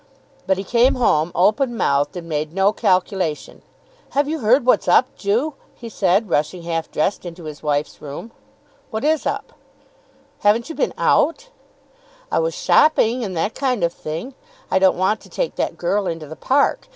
But he came home open mouthed, and made no calculation. "Have you heard what's up, Ju?" he said, rushing half dressed into his wife's room. [Illustration: "Have you heard what's up, Ju?"] "What is up?" "Haven't you been out?" "I was shopping, and that kind of thing. I don't want to take that girl into the Park.